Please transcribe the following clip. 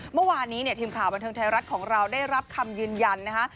เมื่อวานนี้เนี่ยทีมข่าวบันเทิงไทยรัฐของเราได้รับคำยืนยันนะคะ